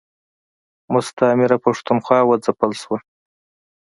مستعمره پښتونخوا و ځپل شوه.